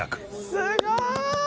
すごーい！